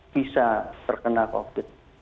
bisa terkena covid sembilan belas